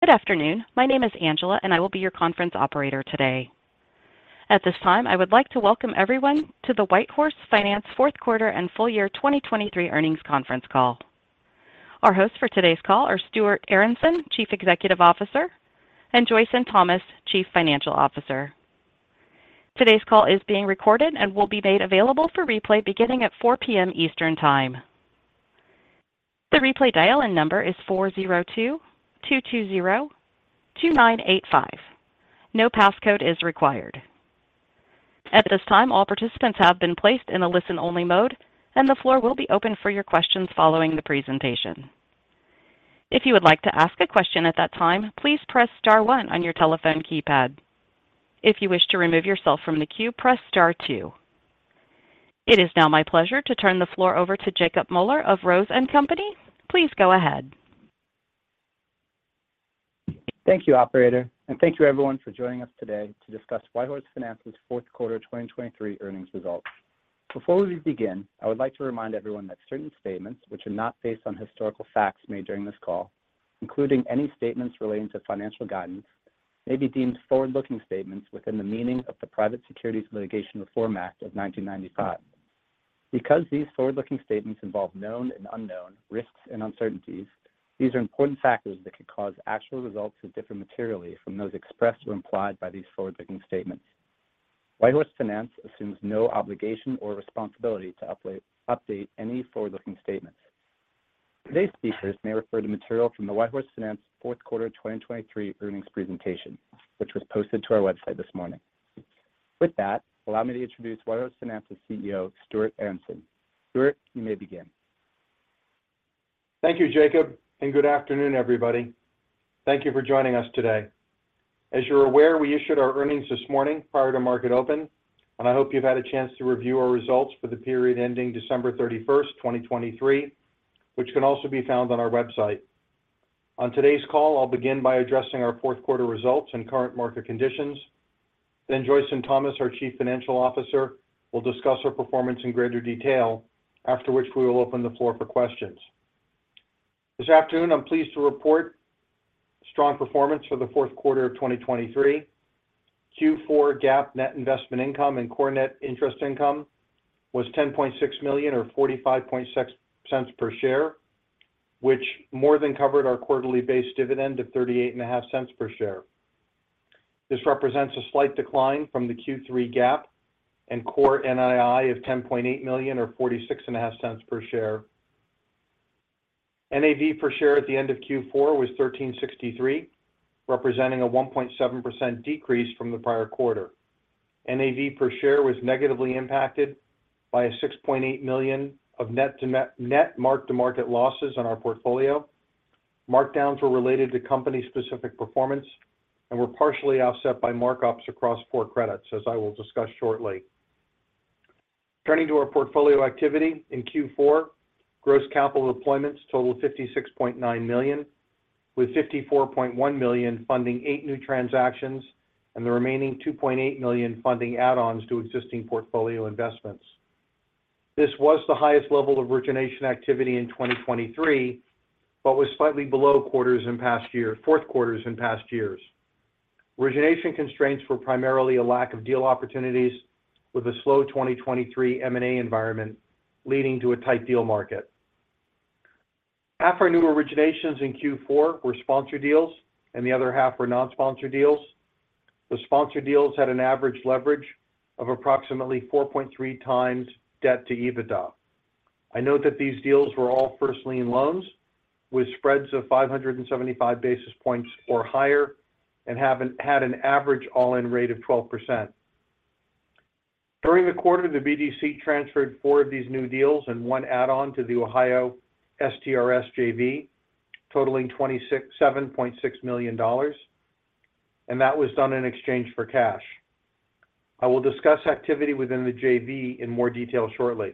Good afternoon. My name is Angela, and I will be your conference operator today. At this time, I would like to welcome everyone to the WhiteHorse Finance Fourth Quarter and Full Year 2023 Earnings Conference Call. Our hosts for today's call are Stuart Aronson, Chief Executive Officer, and Joyson Thomas, Chief Financial Officer. Today's call is being recorded and will be made available for replay beginning at 4:00 P.M. Eastern Time. The replay dial-in number is 402-202-985. No passcode is required. At this time, all participants have been placed in a listen-only mode, and the floor will be open for your questions following the presentation. If you would like to ask a question at that time, please press star one on your telephone keypad. If you wish to remove yourself from the queue, press star two. It is now my pleasure to turn the floor over to Jacob Moeller of Rose & Company. Please go ahead. Thank you, operator, and thank you everyone for joining us today to discuss WhiteHorse Finance's fourth quarter 2023 earnings results. Before we begin, I would like to remind everyone that certain statements which are not based on historical facts made during this call, including any statements relating to financial guidance, may be deemed forward-looking statements within the meaning of the Private Securities Litigation Reform Act of 1995. Because these forward-looking statements involve known and unknown risks and uncertainties, these are important factors that could cause actual results to differ materially from those expressed or implied by these forward-looking statements. WhiteHorse Finance assumes no obligation or responsibility to update any forward-looking statements. Today's speakers may refer to material from the WhiteHorse Finance fourth quarter 2023 earnings presentation, which was posted to our website this morning. With that, allow me to introduce WhiteHorse Finance's CEO, Stuart Aronson. Stuart, you may begin. Thank you, Jacob, and good afternoon, everybody. Thank you for joining us today. As you're aware, we issued our earnings this morning prior to market open, and I hope you've had a chance to review our results for the period ending December 31, 2023, which can also be found on our website. On today's call, I'll begin by addressing our fourth quarter results and current market conditions. Then Joyson Thomas, our Chief Financial Officer, will discuss our performance in greater detail, after which we will open the floor for questions. This afternoon, I'm pleased to report strong performance for the fourth quarter of 2023. Q4 GAAP net investment income and core net interest income was $10.6 million or $0.456 per share, which more than covered our quarterly base dividend of $0.385 per share. This represents a slight decline from the Q3 GAAP and core NII of $10.8 million or $0.465 per share. NAV per share at the end of Q4 was $13.63, representing a 1.7% decrease from the prior quarter. NAV per share was negatively impacted by $6.8 million of net-to-net mark-to-market losses on our portfolio. Markdowns were related to company-specific performance and were partially offset by markups across 4 credits, as I will discuss shortly. Turning to our portfolio activity in Q4, gross capital deployments totaled $56.9 million, with $54.1 million funding 8 new transactions and the remaining $2.8 million funding add-ons to existing portfolio investments. This was the highest level of origination activity in 2023, but was slightly below fourth quarters in past years. Origination constraints were primarily a lack of deal opportunities, with a slow 2023 M&A environment leading to a tight deal market. Half our new originations in Q4 were sponsored deals and the other half were non-sponsored deals. The sponsored deals had an average leverage of approximately 4.3x debt to EBITDA. I note that these deals were all first lien loans with spreads of 575 basis points or higher and had an average all-in rate of 12%. During the quarter, the BDC transferred four of these new deals and one add-on to the Ohio STRS JV, totaling $27.6 million, and that was done in exchange for cash. I will discuss activity within the JV in more detail shortly.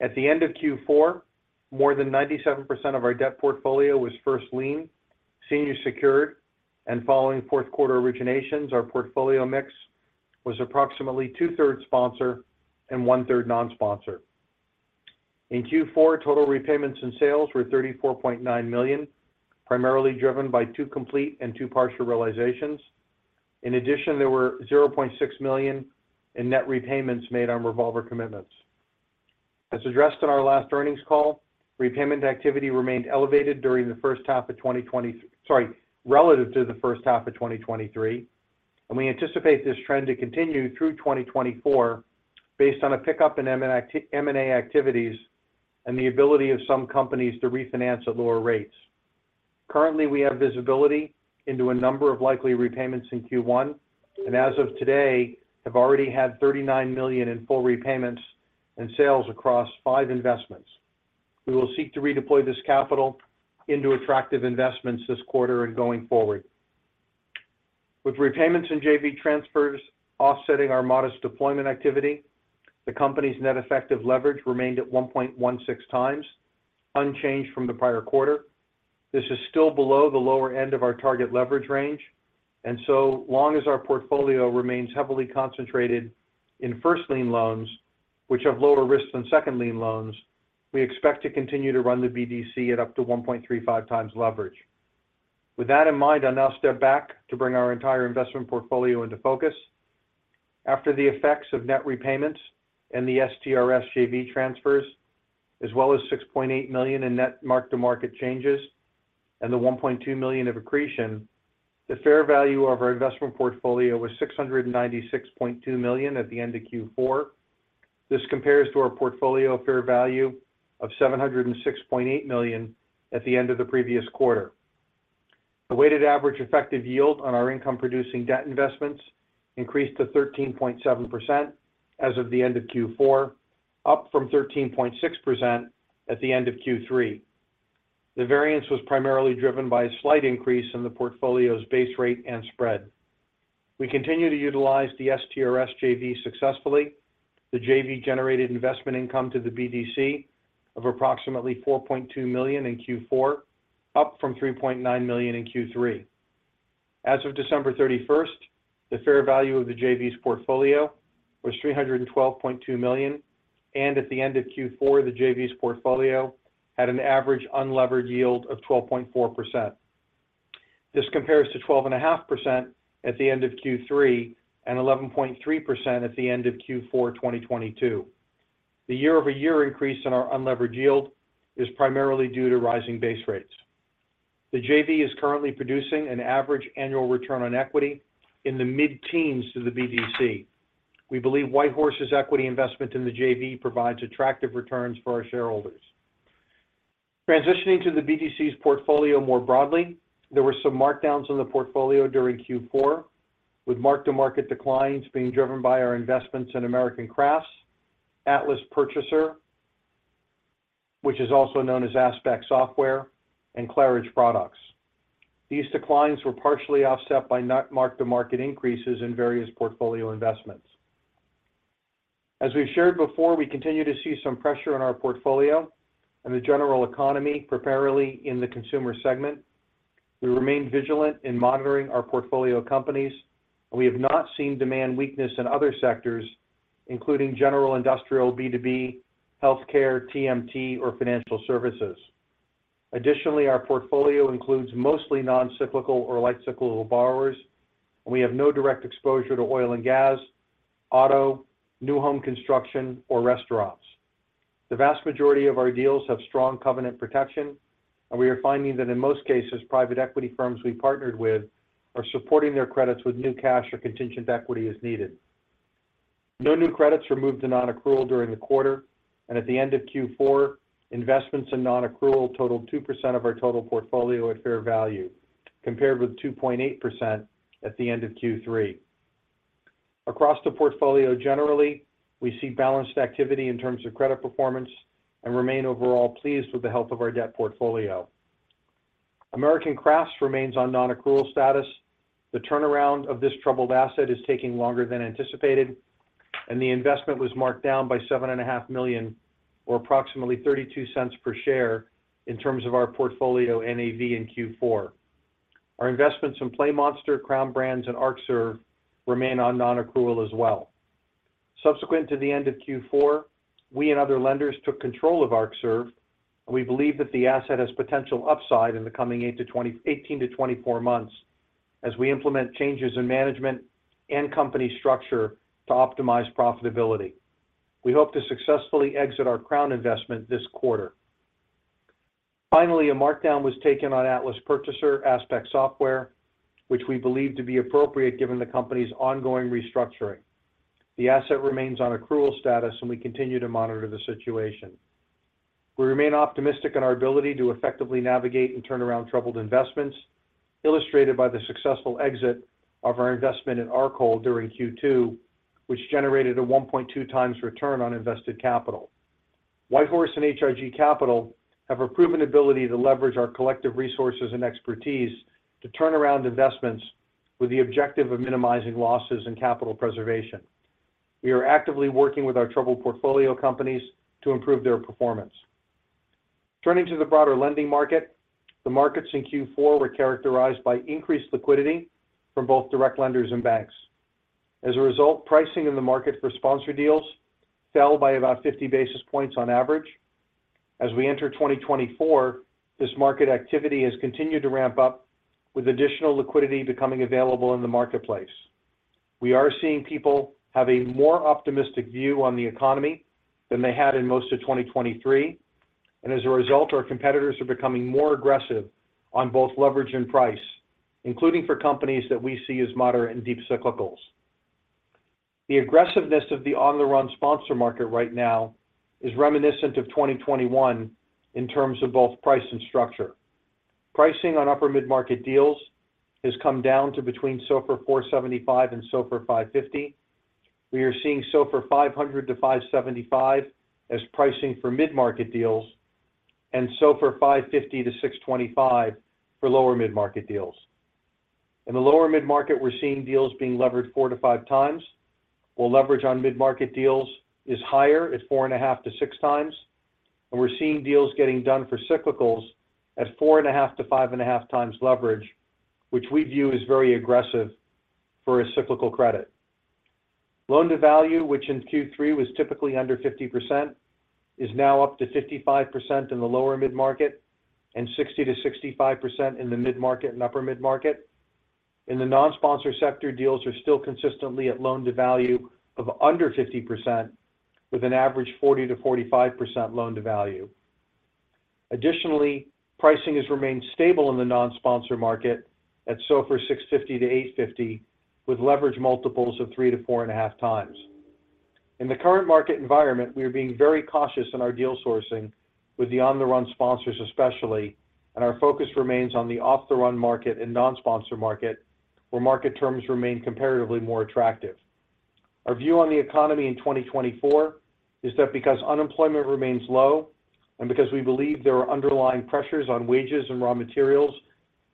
At the end of Q4, more than 97% of our debt portfolio was first-lien, senior secured, and following fourth quarter originations, our portfolio mix was approximately two-thirds sponsor and one-third non-sponsor. In Q4, total repayments and sales were $34.9 million, primarily driven by 2 complete and 2 partial realizations. In addition, there were $0.6 million in net repayments made on revolver commitments. As addressed in our last earnings call, repayment activity remained elevated during the first half of 2020... Sorry, relative to the first half of 2023, and we anticipate this trend to continue through 2024 based on a pickup in M&A, M&A activities and the ability of some companies to refinance at lower rates. Currently, we have visibility into a number of likely repayments in Q1, and as of today, have already had $39 million in full repayments and sales across five investments. We will seek to redeploy this capital into attractive investments this quarter and going forward. With repayments and JV transfers offsetting our modest deployment activity, the company's net effective leverage remained at 1.16x, unchanged from the prior quarter. This is still below the lower end of our target leverage range, and so long as our portfolio remains heavily concentrated in first lien loans, which have lower risk than second lien loans, we expect to continue to run the BDC at up to 1.35x leverage. With that in mind, I'll now step back to bring our entire investment portfolio into focus. After the effects of net repayments and the STRS JV transfers, as well as $6.8 million in net mark-to-market changes and the $1.2 million of accretion, the fair value of our investment portfolio was $696.2 million at the end of Q4. This compares to our portfolio fair value of $706.8 million at the end of the previous quarter. The weighted average effective yield on our income-producing debt investments increased to 13.7% as of the end of Q4, up from 13.6% at the end of Q3. The variance was primarily driven by a slight increase in the portfolio's base rate and spread. We continue to utilize the STRS JV successfully. The JV generated investment income to the BDC of approximately $4.2 million in Q4, up from $3.9 million in Q3. As of December 31, the fair value of the JV's portfolio was $312.2 million, and at the end of Q4, the JV's portfolio had an average unlevered yield of 12.4%. This compares to 12.5% at the end of Q3 and 11.3% at the end of Q4 2022. The year-over-year increase in our unlevered yield is primarily due to rising base rates. The JV is currently producing an average annual return on equity in the mid-teens to the BDC. We believe WhiteHorse's equity investment in the JV provides attractive returns for our shareholders. Transitioning to the BDC's portfolio more broadly, there were some markdowns in the portfolio during Q4, with mark-to-market declines being driven by our investments in American Crafts, Atlas Purchaser, which is also known as Aspect Software, and Claridge Products. These declines were partially offset by net mark-to-market increases in various portfolio investments. As we've shared before, we continue to see some pressure in our portfolio and the general economy, particularly in the consumer segment. We remain vigilant in monitoring our portfolio companies, and we have not seen demand weakness in other sectors, including general industrial, B2B, healthcare, TMT, or financial services. Additionally, our portfolio includes mostly non-cyclical or light cyclical borrowers, and we have no direct exposure to oil and gas, auto, new home construction, or restaurants. The vast majority of our deals have strong covenant protection, and we are finding that in most cases, private equity firms we partnered with are supporting their credits with new cash or contingent equity as needed. No new credits were moved to non-accrual during the quarter, and at the end of Q4, investments in non-accrual totaled 2% of our total portfolio at fair value, compared with 2.8% at the end of Q3. Across the portfolio, generally, we see balanced activity in terms of credit performance and remain overall pleased with the health of our debt portfolio. American Crafts remains on non-accrual status. The turnaround of this troubled asset is taking longer than anticipated, and the investment was marked down by $7.5 million or approximately $0.32 per share in terms of our portfolio NAV in Q4. Our investments in PlayMonster, Crown Brands, and Arcserve remain on non-accrual as well. Subsequent to the end of Q4, we and other lenders took control of Arcserve. We believe that the asset has potential upside in the coming 18-24 months as we implement changes in management and company structure to optimize profitability. We hope to successfully exit our Crown investment this quarter. Finally, a markdown was taken on Atlas Purchaser, Aspect Software, which we believe to be appropriate given the company's ongoing restructuring. The asset remains on accrual status, and we continue to monitor the situation. We remain optimistic in our ability to effectively navigate and turn around troubled investments, illustrated by the successful exit of our investment in Arcole during Q2, which generated a 1.2x return on invested capital. WhiteHorse and H.I.G. Capital have a proven ability to leverage our collective resources and expertise to turn around investments with the objective of minimizing losses and capital preservation. We are actively working with our troubled portfolio companies to improve their performance. Turning to the broader lending market, the markets in Q4 were characterized by increased liquidity from both direct lenders and banks. As a result, pricing in the market for sponsor deals fell by about 50 basis points on average. As we enter 2024, this market activity has continued to ramp up, with additional liquidity becoming available in the marketplace. We are seeing people have a more optimistic view on the economy than they had in most of 2023, and as a result, our competitors are becoming more aggressive on both leverage and price, including for companies that we see as moderate and deep cyclicals. The aggressiveness of the on-the-run sponsor market right now is reminiscent of 2021 in terms of both price and structure. Pricing on upper mid-market deals has come down to between SOFR 475 and SOFR 550. We are seeing SOFR 500-575 as pricing for mid-market deals, and SOFR 550-625 for lower mid-market deals. In the lower mid-market, we're seeing deals being leveraged 4x to 5x, while leverage on mid-market deals is higher at 4.5x to 6x—and we're seeing deals getting done for cyclicals at 4.5x to 5.5x leverage, which we view as very aggressive for a cyclical credit. Loan-to-value, which in Q3 was typically under 50%, is now up to 55% in the lower mid-market and 60%-65% in the mid-market and upper mid-market. In the non-sponsor sector, deals are still consistently at loan-to-value of under 50%, with an average 40%-45% loan-to-value. Additionally, pricing has remained stable in the non-sponsor market at SOFR 650-850, with leverage multiples of 3x to 4.5x. In the current market environment, we are being very cautious in our deal sourcing with the on-the-run sponsors, especially, and our focus remains on the off-the-run market and non-sponsor market, where market terms remain comparatively more attractive. Our view on the economy in 2024 is that because unemployment remains low and because we believe there are underlying pressures on wages and raw materials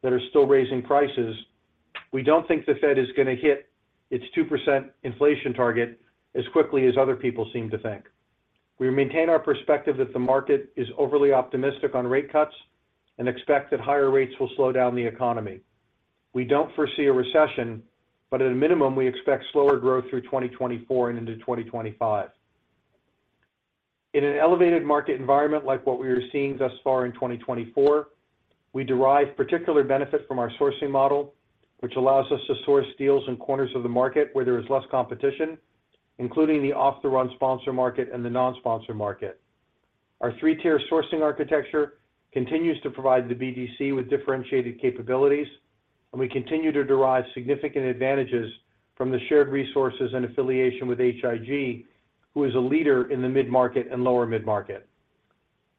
that are still raising prices, we don't think the Fed is gonna hit its 2% inflation target as quickly as other people seem to think. We maintain our perspective that the market is overly optimistic on rate cuts and expect that higher rates will slow down the economy. We don't foresee a recession, but at a minimum, we expect slower growth through 2024 and into 2025. In an elevated market environment like what we are seeing thus far in 2024, we derive particular benefit from our sourcing model, which allows us to source deals in corners of the market where there is less competition, including the off-the-run sponsor market and the non-sponsor market. Our three-tier sourcing architecture continues to provide the BDC with differentiated capabilities, and we continue to derive significant advantages from the shared resources and affiliation with H.I.G., who is a leader in the mid-market and lower mid-market.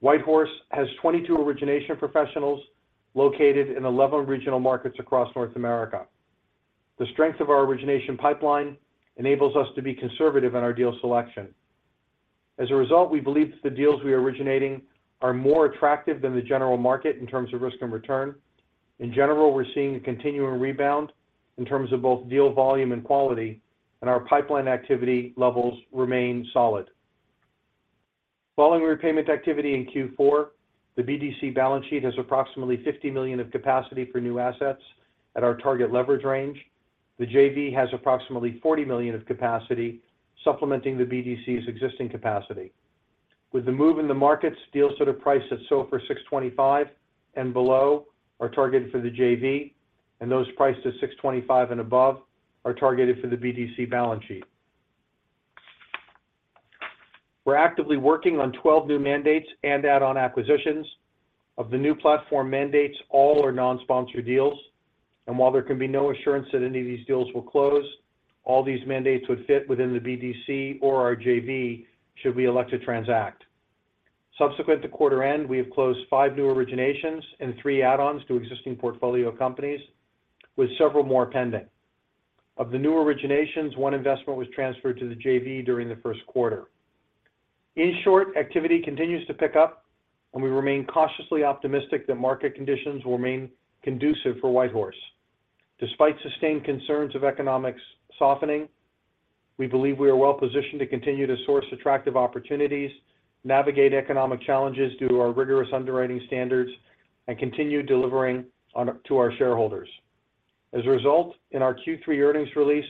WhiteHorse has 22 origination professionals located in 11 regional markets across North America. The strength of our origination pipeline enables us to be conservative in our deal selection. As a result, we believe that the deals we are originating are more attractive than the general market in terms of risk and return. In general, we're seeing a continuing rebound in terms of both deal volume and quality, and our pipeline activity levels remain solid. Following repayment activity in Q4, the BDC balance sheet has approximately $50 million of capacity for new assets at our target leverage range. The JV has approximately $40 million of capacity, supplementing the BDC's existing capacity. With the move in the markets, deals that are priced at SOFR 6.25 and below are targeted for the JV, and those priced at 6.25 and above are targeted for the BDC balance sheet. We're actively working on 12 new mandates and add-on acquisitions. Of the new platform mandates, all are non-sponsor deals, and while there can be no assurance that any of these deals will close, all these mandates would fit within the BDC or our JV, should we elect to transact. Subsequent to quarter end, we have closed 5 new originations and 3 add-ons to existing portfolio companies, with several more pending. Of the new originations, one investment was transferred to the JV during the first quarter. In short, activity continues to pick up, and we remain cautiously optimistic that market conditions will remain conducive for WhiteHorse. Despite sustained concerns of economics softening, we believe we are well positioned to continue to source attractive opportunities, navigate economic challenges through our rigorous underwriting standards, and continue delivering to our shareholders. As a result, in our Q3 earnings release,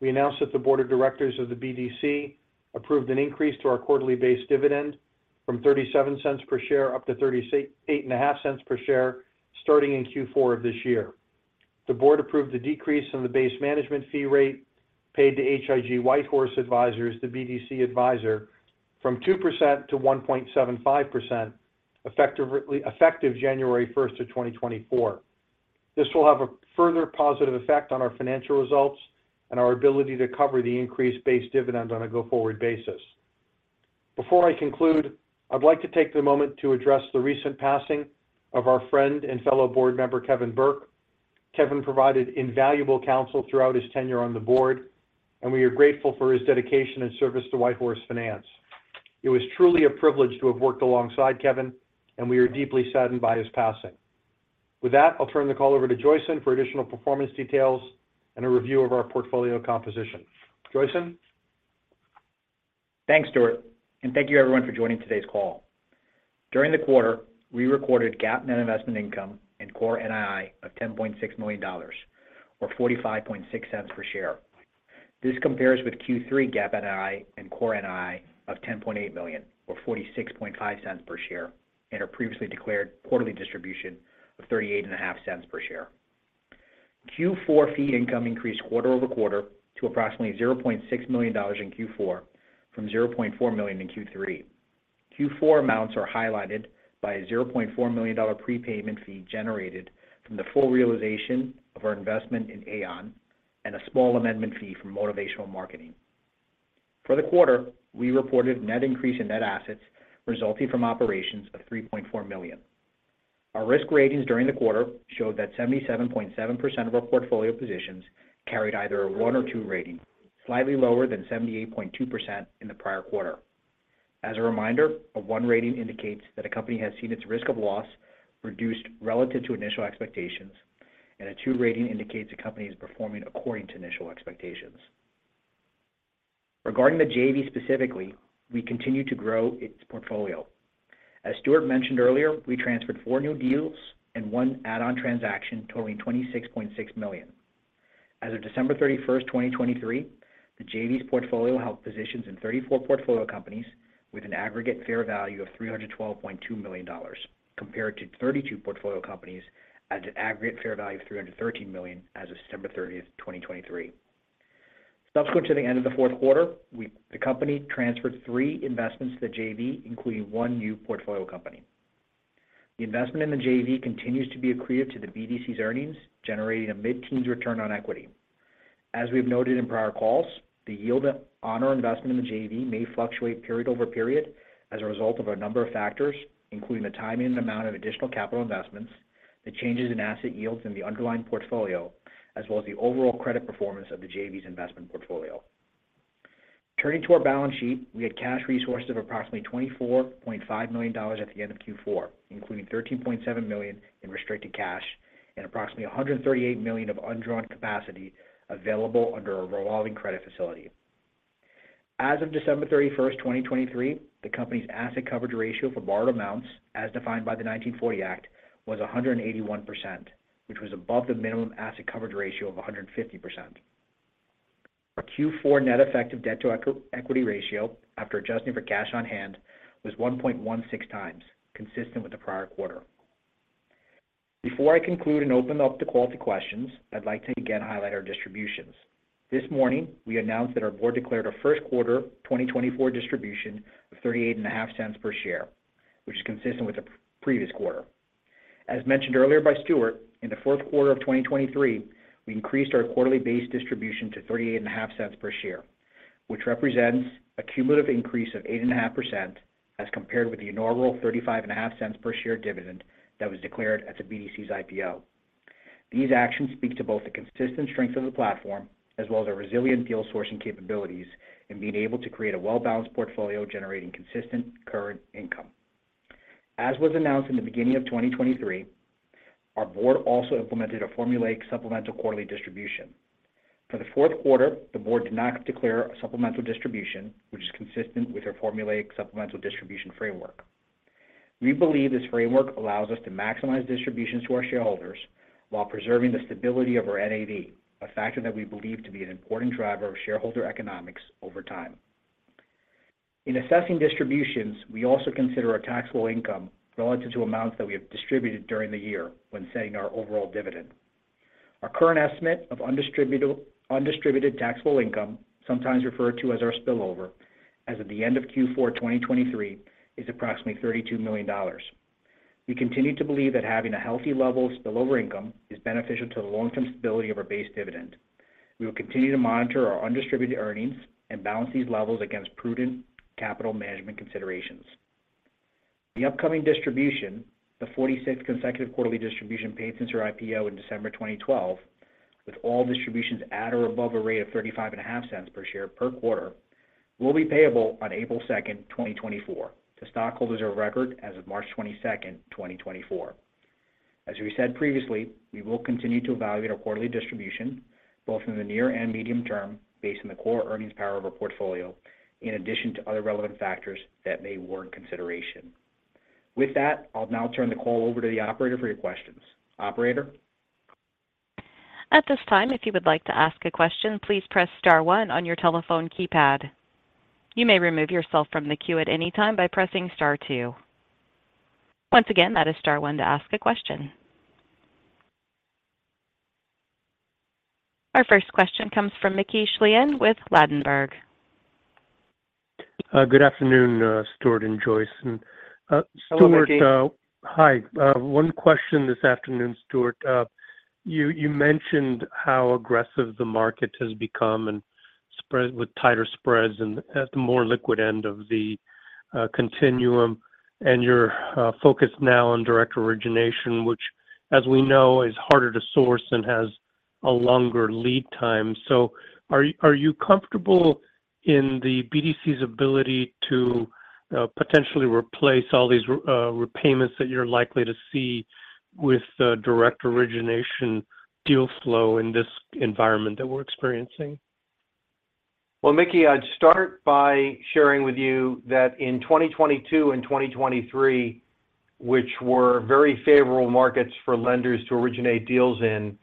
we announced that the Board of Directors of the BDC approved an increase to our quarterly base dividend from $0.37 per share up to $0.385 per share, starting in Q4 of this year. The Board approved a decrease in the base management fee rate paid to H.I.G. WhiteHorse Advisers, the BDC advisor, from 2% to 1.75%, effective January 1, 2024. This will have a further positive effect on our financial results and our ability to cover the increased base dividend on a go-forward basis. Before I conclude, I'd like to take the moment to address the recent passing of our friend and fellow Board member, Kevin Burke. Kevin provided invaluable counsel throughout his tenure on the Board, and we are grateful for his dedication and service to WhiteHorse Finance. It was truly a privilege to have worked alongside Kevin, and we are deeply saddened by his passing. With that, I'll turn the call over to Joyson for additional performance details and a review of our portfolio composition. Joyson? Thanks, Stuart, and thank you, everyone, for joining today's call. During the quarter, we recorded GAAP net investment income and core NII of $10.6 million or $0.456 per share. This compares with Q3 GAAP NII and core NII of $10.8 million or $0.465 per share and a previously declared quarterly distribution of $0.385 per share. Q4 fee income increased quarter-over-quarter to approximately $0.6 million in Q4 from $0.4 million in Q3. Q4 amounts are highlighted by a $0.4 million prepayment fee generated from the full realization of our investment in Aeyon and a small amendment fee from Motivational Marketing. For the quarter, we reported net increase in net assets resulting from operations of $3.4 million. Our risk ratings during the quarter showed that 77.7% of our portfolio positions carried either a 1 or 2 rating, slightly lower than 78.2% in the prior quarter. As a reminder, a 1 rating indicates that a company has seen its risk of loss reduced relative to initial expectations, and a 2 rating indicates a company is performing according to initial expectations.... Regarding the JV specifically, we continue to grow its portfolio. As Stuart mentioned earlier, we transferred 4 new deals and one add-on transaction totaling $26.6 million. As of December 31, 2023, the JV's portfolio held positions in 34 portfolio companies with an aggregate fair value of $312.2 million, compared to 32 portfolio companies at an aggregate fair value of $313 million as of September 30, 2023. Subsequent to the end of the fourth quarter, the company transferred three investments to the JV, including one new portfolio company. The investment in the JV continues to be accretive to the BDC's earnings, generating a mid-teens return on equity. As we've noted in prior calls, the yield on our investment in the JV may fluctuate period over period as a result of a number of factors, including the timing and amount of additional capital investments, the changes in asset yields in the underlying portfolio, as well as the overall credit performance of the JV's investment portfolio. Turning to our balance sheet, we had cash resources of approximately $24.5 million at the end of Q4, including $13.7 million in restricted cash and approximately $138 million of undrawn capacity available under a revolving credit facility. As of December 31, 2023, the company's asset coverage ratio for borrowed amounts, as defined by the 1940 Act, was 181%, which was above the minimum asset coverage ratio of 150%. Our Q4 net effective debt to equity ratio, after adjusting for cash on hand, was 1.16x, consistent with the prior quarter. Before I conclude and open up the call to questions, I'd like to again highlight our distributions. This morning, we announced that our Board declared a first quarter 2024 distribution of $0.385 per share, which is consistent with the previous quarter. As mentioned earlier by Stuart, in the fourth quarter of 2023, we increased our quarterly base distribution to $0.385 per share, which represents a cumulative increase of 8.5% as compared with the inaugural $0.355 per share dividend that was declared at the BDC's IPO. These actions speak to both the consistent strength of the platform, as well as our resilient deal sourcing capabilities in being able to create a well-balanced portfolio generating consistent current income. As was announced in the beginning of 2023, our Board also implemented a formulaic supplemental quarterly distribution. For the fourth quarter, the Board did not declare a supplemental distribution, which is consistent with our formulaic supplemental distribution framework. We believe this framework allows us to maximize distributions to our shareholders while preserving the stability of our NAV, a factor that we believe to be an important driver of shareholder economics over time. In assessing distributions, we also consider our taxable income relative to amounts that we have distributed during the year when setting our overall dividend. Our current estimate of undistributed taxable income, sometimes referred to as our spillover, as of the end of Q4 2023, is approximately $32 million. We continue to believe that having a healthy level of spillover income is beneficial to the long-term stability of our base dividend. We will continue to monitor our undistributed earnings and balance these levels against prudent capital management considerations. The upcoming distribution, the 46th consecutive quarterly distribution paid since our IPO in December 2012, with all distributions at or above a rate of $0.355 per share per quarter, will be payable on April 2, 2024. The stockholders of record as of March 22, 2024. As we said previously, we will continue to evaluate our quarterly distribution, both in the near and medium term, based on the core earnings power of our portfolio, in addition to other relevant factors that may warrant consideration. With that, I'll now turn the call over to the operator for your questions. Operator? At this time, if you would like to ask a question, please press star one on your telephone keypad. You may remove yourself from the queue at any time by pressing star two. Once again, that is star one to ask a question. Our first question comes from Mickey Schleien with Ladenburg. Good afternoon, Stuart and Joyson. And, Stuart— Hello, Mickey. Hi. One question this afternoon, Stuart. You, you mentioned how aggressive the market has become and spreads with tighter spreads and at the more liquid end of the continuum, and you're focused now on direct origination, which, as we know, is harder to source and has a longer lead time. So are, are you comfortable in the BDC's ability to potentially replace all these repayments that you're likely to see with the direct origination deal flow in this environment that we're experiencing? Well, Mickey, I'd start by sharing with you that in 2022 and 2023, which were very favorable markets for lenders to originate deals in,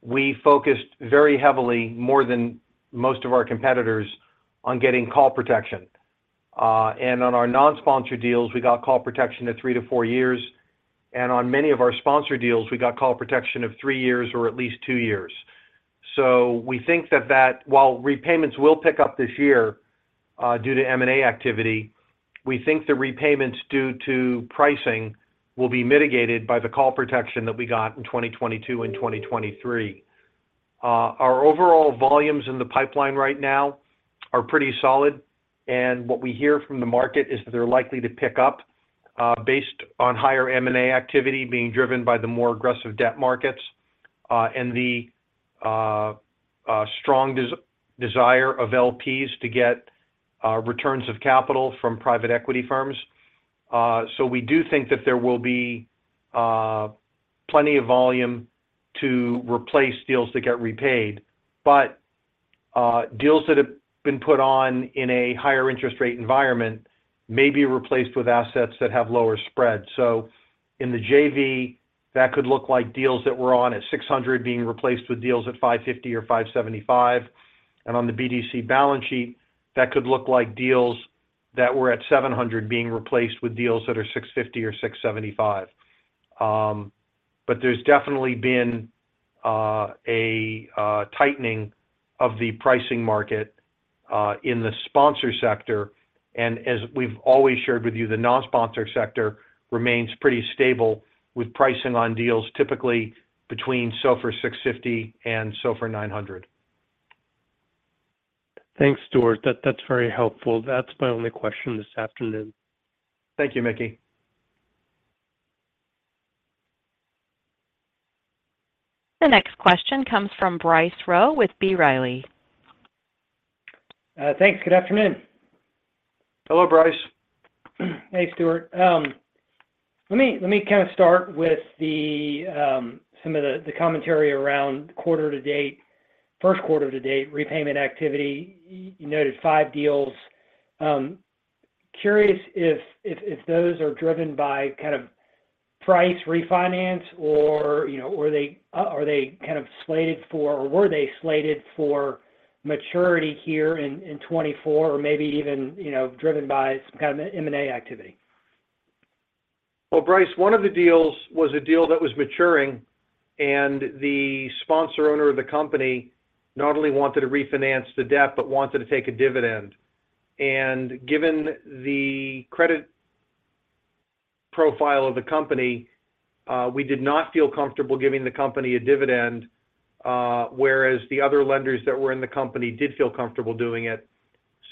we focused very heavily, more than most of our competitors, on getting call protection. And on our non-sponsor deals, we got call protection of 3-4 years, and on many of our sponsor deals, we got call protection of 3 years or at least 2 years. So we think that while repayments will pick up this year, due to M&A activity, we think the repayments due to pricing will be mitigated by the call protection that we got in 2022 and 2023. Our overall volumes in the pipeline right now are pretty solid, and what we hear from the market is that they're likely to pick up, based on higher M&A activity being driven by the more aggressive debt markets, and the strong desire of LPs to get returns of capital from private equity firms so we do think that there will be plenty of volume to replace deals that get repaid. But deals that have been put on in a higher interest rate environment may be replaced with assets that have lower spread. So in the JV, that could look like deals that were on at 600 being replaced with deals at 550 or 575. And on the BDC balance sheet, that could look like deals that were at 700 being replaced with deals that are 650 or 675. But there's definitely been a tightening of the pricing market in the sponsor sector. And as we've always shared with you, the non-sponsor sector remains pretty stable, with pricing on deals typically between SOFR 650 and SOFR 900. Thanks, Stuart. That's very helpful. That's my only question this afternoon. Thank you, Mickey. The next question comes from Bryce Rowe with B. Riley. Thanks. Good afternoon. Hello, Bryce. Hey, Stuart. Let me kind of start with some of the commentary around quarter to date, first quarter to date, repayment activity. You noted 5 deals. Curious if those are driven by kind of price refinance or, you know, were they or are they kind of slated for, or were they slated for maturity here in 2024, or maybe even, you know, driven by some kind of M&A activity? Well, Bryce, one of the deals was a deal that was maturing, and the sponsor owner of the company not only wanted to refinance the debt, but wanted to take a dividend. And given the credit profile of the company, we did not feel comfortable giving the company a dividend, whereas the other lenders that were in the company did feel comfortable doing it.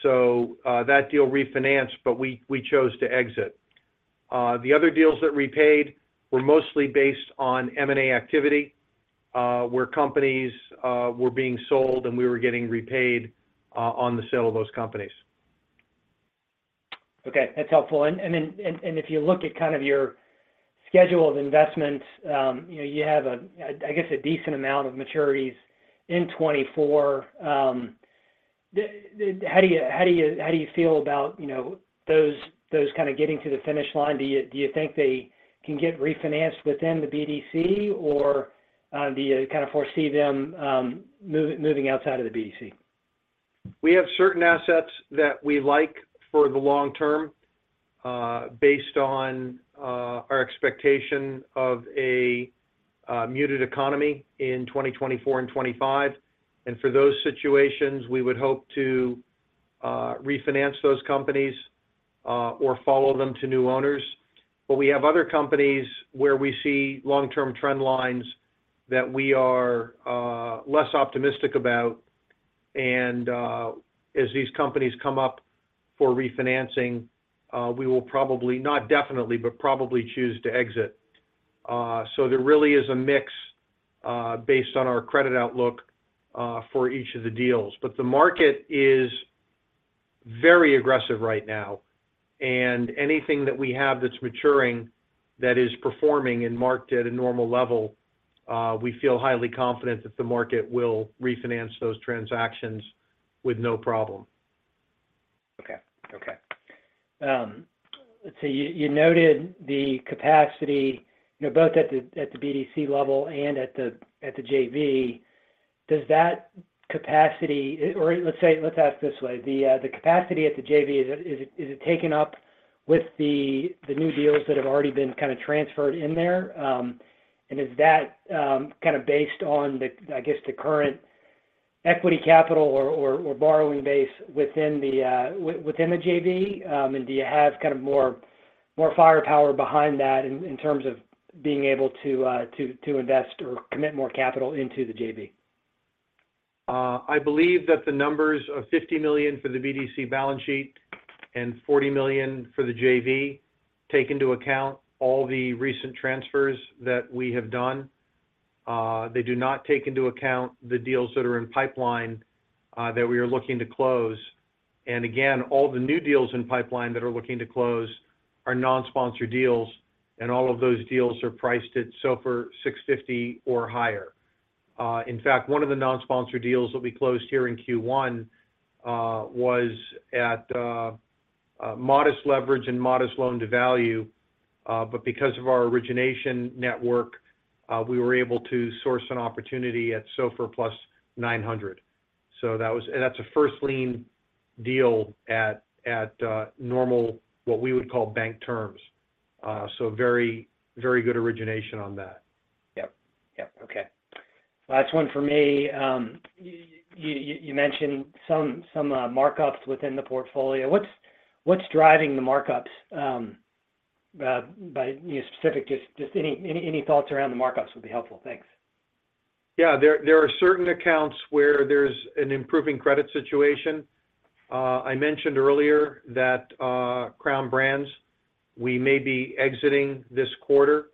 So, that deal refinanced, but we chose to exit. The other deals that repaid were mostly based on M&A activity, where companies were being sold, and we were getting repaid on the sale of those companies. Okay, that's helpful. And then, if you look at kind of your schedule of investments, you know, you have a, I guess, a decent amount of maturities in 2024. The... How do you feel about, you know, those kind of getting to the finish line? Do you think they can get refinanced within the BDC, or do you kind of foresee them moving outside of the BDC? We have certain assets that we like for the long term, based on our expectation of a muted economy in 2024 and 2025. And for those situations, we would hope to refinance those companies or follow them to new owners. But we have other companies where we see long-term trend lines that we are less optimistic about. And as these companies come up for refinancing, we will probably, not definitely, but probably choose to exit. So there really is a mix, based on our credit outlook for each of the deals. But the market is very aggressive right now, and anything that we have that's maturing that is performing and marked at a normal level, we feel highly confident that the market will refinance those transactions with no problem. Okay. Okay. Let's see. You noted the capacity, you know, both at the BDC level and at the JV. Does that capacity... Or let's say, let's ask this way: the capacity at the JV, is it taken up with the new deals that have already been kind of transferred in there? And is that kind of based on the, I guess, the current equity capital or borrowing base within the JV? And do you have kind of more firepower behind that in terms of being able to invest or commit more capital into the JV? I believe that the numbers of $50 million for the BDC balance sheet and $40 million for the JV take into account all the recent transfers that we have done. They do not take into account the deals that are in pipeline that we are looking to close. And again, all the new deals in pipeline that are looking to close are non-sponsor deals, and all of those deals are priced at SOFR 650 or higher. In fact, one of the non-sponsor deals that we closed here in Q1 was at a modest leverage and modest loan-to-value, but because of our origination network, we were able to source an opportunity at SOFR plus 900. So that was—and that's a first lien deal at normal, what we would call, bank terms. Very, very good origination on that. Yep. Yep. Okay. Last one for me. You mentioned some markups within the portfolio. What's driving the markups? Just any thoughts around the markups would be helpful. Thanks. Yeah. There are certain accounts where there's an improving credit situation. I mentioned earlier that Crown Brands, we may be exiting this quarter...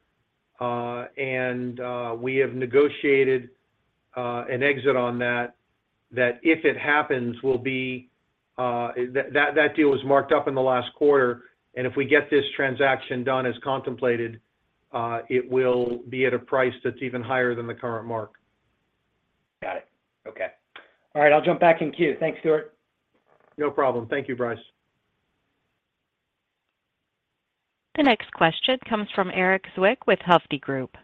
and we have negotiated an exit on that, that if it happens, will be that deal was marked up in the last quarter, and if we get this transaction done as contemplated, it will be at a price that's even higher than the current mark. Got it. Okay. All right, I'll jump back in queue. Thanks, Stuart. No problem. Thank you, Bryce. The next question comes from Erik Zwick with Hovde Group.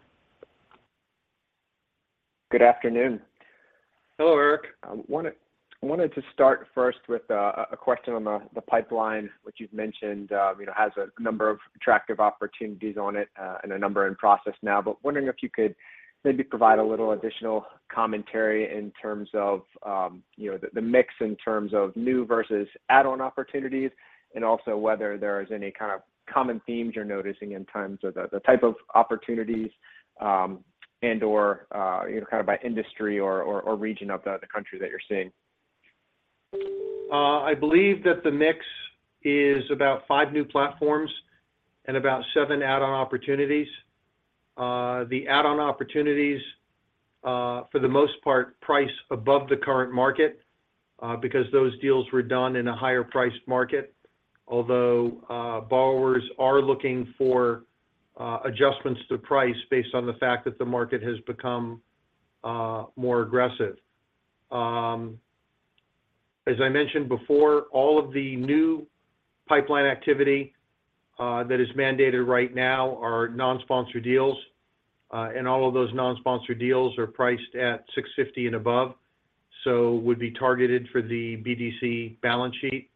Good afternoon. Hello, Erik. I wanted to start first with a question on the pipeline, which you've mentioned, you know, has a number of attractive opportunities on it, and a number in process now. But wondering if you could maybe provide a little additional commentary in terms of, you know, the mix in terms of new versus add-on opportunities, and also whether there is any kind of common themes you're noticing in terms of the type of opportunities, and/or, you know, kind of by industry or region of the country that you're seeing? I believe that the mix is about 5 new platforms and about 7 add-on opportunities. The add-on opportunities, for the most part, price above the current market, because those deals were done in a higher priced market. Although, borrowers are looking for, adjustments to price based on the fact that the market has become, more aggressive. As I mentioned before, all of the new pipeline activity, that is mandated right now are non-sponsor deals, and all of those non-sponsor deals are priced at 650 and above, so would be targeted for the BDC balance sheet.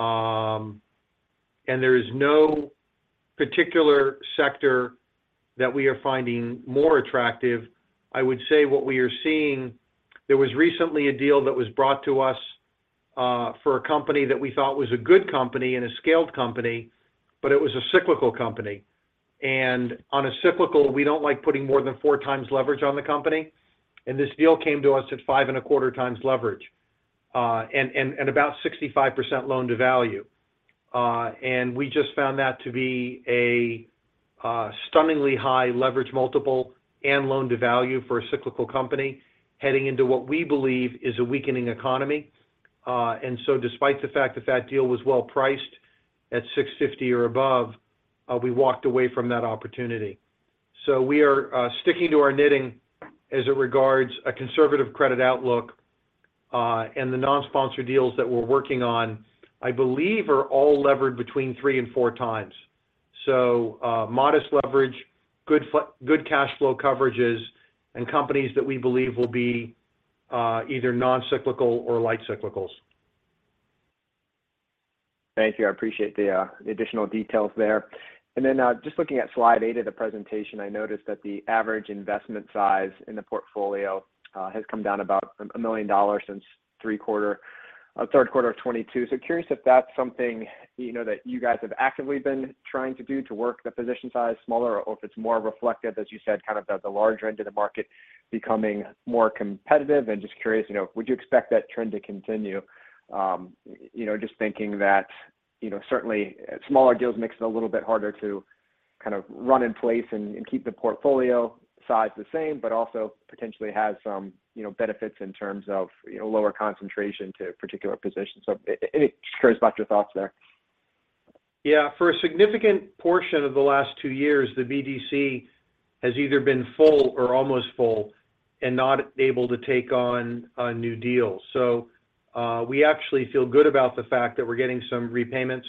And there is no particular sector that we are finding more attractive. I would say what we are seeing. There was recently a deal that was brought to us for a company that we thought was a good company and a scaled company, but it was a cyclical company. On a cyclical, we don't like putting more than 4x leverage on the company, and this deal came to us at 5.25x leverage and about 65% loan-to-value. And we just found that to be a stunningly high leverage multiple and loan-to-value for a cyclical company, heading into what we believe is a weakening economy. And so despite the fact that that deal was well priced at 6.50 or above, we walked away from that opportunity. So we are sticking to our knitting as it regards a conservative credit outlook. And the non-sponsor deals that we're working on, I believe, are all levered between 3x and 4x. So, modest leverage, good cash flow coverages, and companies that we believe will be either non-cyclical or light cyclicals. Thank you. I appreciate the additional details there. And then, just looking at slide 8 of the presentation, I noticed that the average investment size in the portfolio has come down about $1 million since third quarter of 2022. So curious if that's something, you know, that you guys have actively been trying to do to work the position size smaller, or if it's more reflective, as you said, kind of, the larger end of the market becoming more competitive? And just curious, you know, would you expect that trend to continue? You know, just thinking that, you know, certainly, smaller deals makes it a little bit harder to kind of run in place and keep the portfolio size the same, but also potentially has some, you know, benefits in terms of, you know, lower concentration to a particular position. So and curious about your thoughts there. Yeah. For a significant portion of the last two years, the BDC has either been full or almost full and not able to take on a new deal. So, we actually feel good about the fact that we're getting some repayments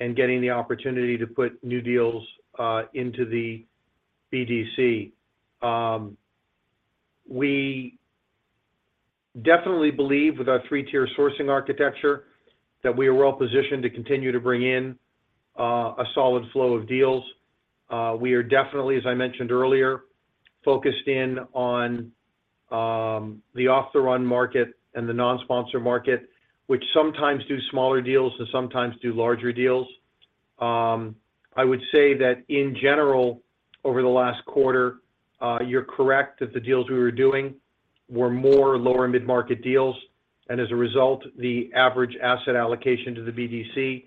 and getting the opportunity to put new deals into the BDC. We definitely believe with our three-tier sourcing architecture that we are well positioned to continue to bring in a solid flow of deals. We are definitely, as I mentioned earlier, focused in on the off-the-run market and the non-sponsor market, which sometimes do smaller deals and sometimes do larger deals. I would say that in general, over the last quarter, you're correct that the deals we were doing were more lower mid-market deals, and as a result, the average asset allocation to the BDC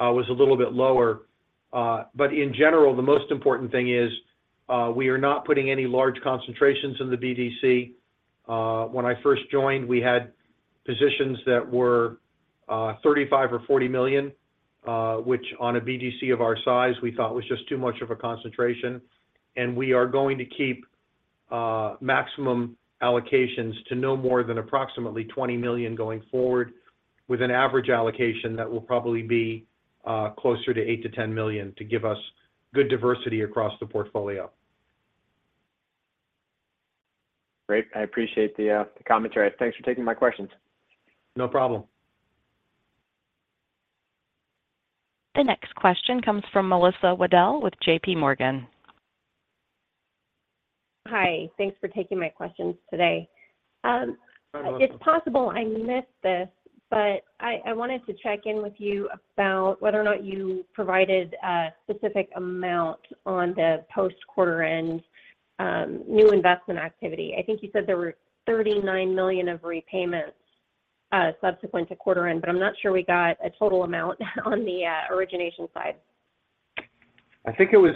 was a little bit lower. But in general, the most important thing is, we are not putting any large concentrations in the BDC. When I first joined, we had positions that were, $35 million or $40 million, which on a BDC of our size, we thought was just too much of a concentration. And we are going to keep, maximum allocations to no more than approximately $20 million going forward, with an average allocation that will probably be, closer to $8 million-$10 million, to give us good diversity across the portfolio. Great. I appreciate the, the commentary. Thanks for taking my questions. No problem. The next question comes from Melissa Wedel with J.P. Morgan. Hi, thanks for taking my questions today. You're welcome. It's possible I missed this, but I wanted to check in with you about whether or not you provided a specific amount on the post-quarter end new investment activity. I think you said there were $39 million of repayments subsequent to quarter end, but I'm not sure we got a total amount on the origination side. I think it was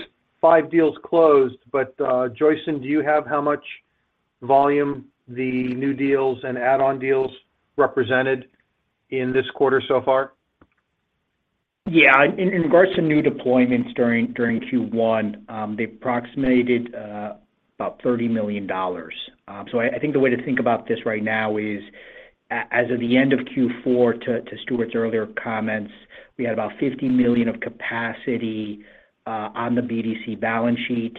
five deals closed, but, Joyson, do you have how much volume the new deals and add-on deals represented in this quarter so far? Yeah. In regards to new deployments during Q1, they approximated about $30 million. So I think the way to think about this right now is as of the end of Q4, to Stuart's earlier comments, we had about $50 million of capacity on the BDC balance sheet,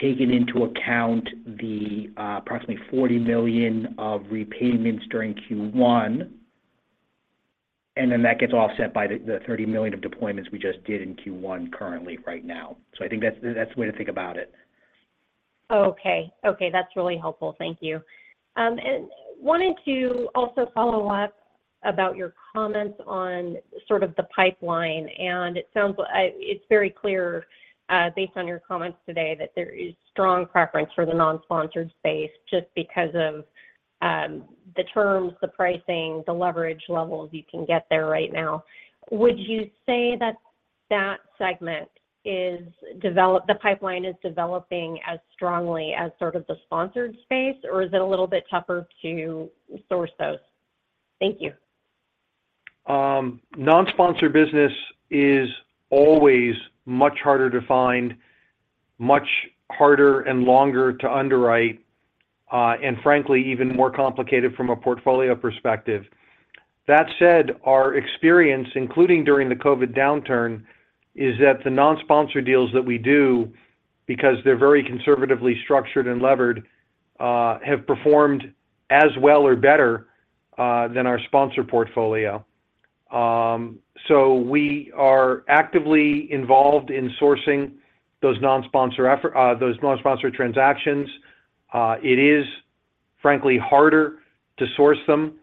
taking into account the approximately $40 million of repayments during Q1, and then that gets offset by the $30 million of deployments we just did in Q1 currently right now. So I think that's the way to think about it. Okay. Okay, that's really helpful. Thank you. Wanted to also follow up about your comments on sort of the pipeline, and it sounds like, it's very clear, based on your comments today, that there is strong preference for the non-sponsored space just because of the terms, the pricing, the leverage levels you can get there right now. Would you say that that segment is developing, the pipeline is developing as strongly as sort of the sponsored space, or is it a little bit tougher to source those? Thank you. Non-sponsored business is always much harder to find, much harder and longer to underwrite, and frankly, even more complicated from a portfolio perspective. That said, our experience, including during the COVID downturn, is that the non-sponsor deals that we do, because they're very conservatively structured and levered, have performed as well or better than our sponsor portfolio. So we are actively involved in sourcing those non-sponsor transactions. It is, frankly, harder to source them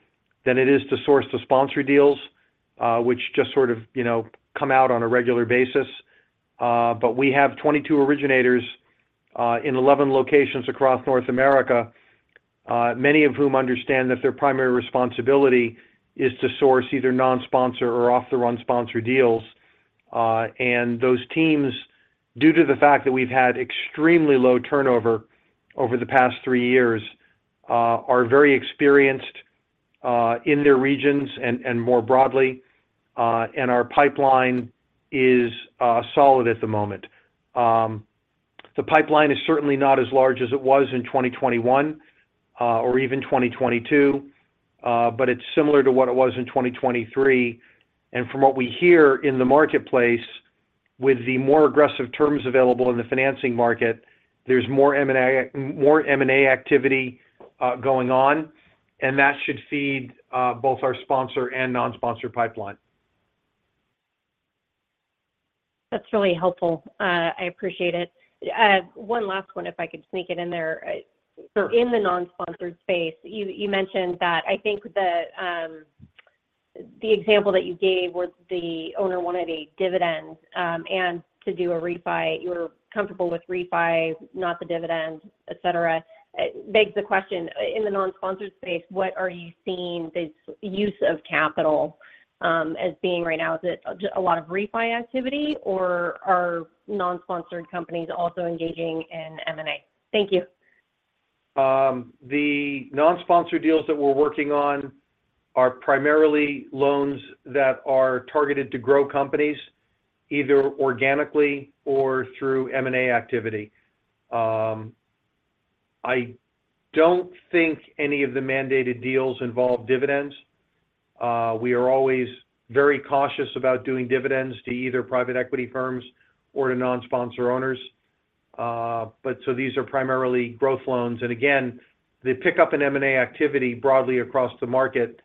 than it is to source the sponsor deals, which just sort of, you know, come out on a regular basis. But we have 22 originators in 11 locations across North America, many of whom understand that their primary responsibility is to source either non-sponsor or off-the-run sponsor deals. And those teams, due to the fact that we've had extremely low turnover over the past three years, are very experienced in their regions and, and more broadly, and our pipeline is solid at the moment. The pipeline is certainly not as large as it was in 2021, or even 2022, but it's similar to what it was in 2023. And from what we hear in the marketplace, with the more aggressive terms available in the financing market, there's more M&A, more M&A activity, going on, and that should feed both our sponsor and non-sponsor pipeline. That's really helpful. I appreciate it. One last one, if I could sneak it in there. Sure. In the non-sponsored space, you mentioned that... I think the example that you gave was the owner wanted a dividend and to do a refi. You were comfortable with refi, not the dividend, et cetera. It begs the question, in the non-sponsored space, what are you seeing the use of capital as being right now? Is it just a lot of refi activity, or are non-sponsored companies also engaging in M&A? Thank you. The non-sponsored deals that we're working on are primarily loans that are targeted to grow companies, either organically or through M&A activity. I don't think any of the mandated deals involve dividends. We are always very cautious about doing dividends to either private equity firms or to non-sponsor owners. But so these are primarily growth loans, and again, the pickup in M&A activity broadly across the market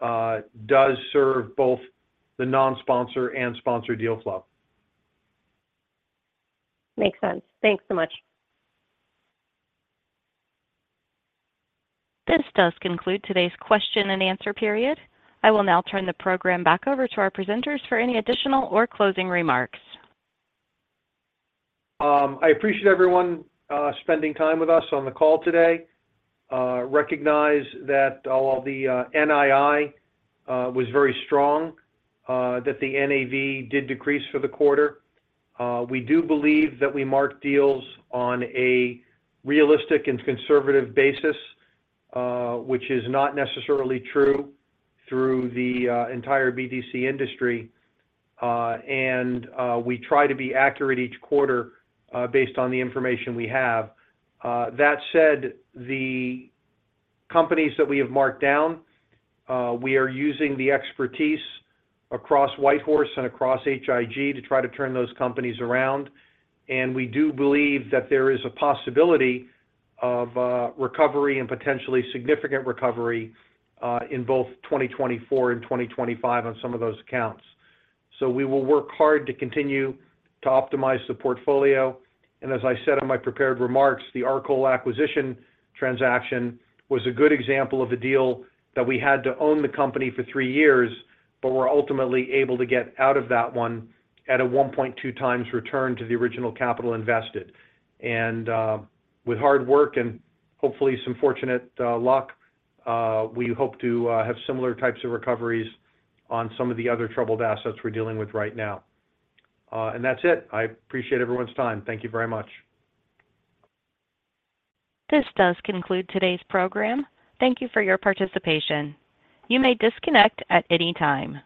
does serve both the non-sponsor and sponsor deal flow. Makes sense. Thanks so much. This does conclude today's question and answer period. I will now turn the program back over to our presenters for any additional or closing remarks. I appreciate everyone spending time with us on the call today. Recognize that while the NII was very strong, that the NAV did decrease for the quarter. We do believe that we marked deals on a realistic and conservative basis, which is not necessarily true through the entire BDC industry. We try to be accurate each quarter based on the information we have. That said, the companies that we have marked down, we are using the expertise across WhiteHorse and across H.I.G. to try to turn those companies around, and we do believe that there is a possibility of recovery and potentially significant recovery in both 2024 and 2025 on some of those accounts. So we will work hard to continue to optimize the portfolio, and as I said in my prepared remarks, the Arcole acquisition transaction was a good example of a deal that we had to own the company for three years, but were ultimately able to get out of that one at a 1.2x return to the original capital invested. And, with hard work and hopefully some fortunate, luck, we hope to, have similar types of recoveries on some of the other troubled assets we're dealing with right now. And that's it. I appreciate everyone's time. Thank you very much. This does conclude today's program. Thank you for your participation. You may disconnect at any time.